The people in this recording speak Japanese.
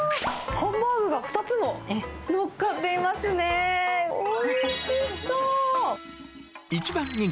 ハンバーグが２つものっかっていますねー。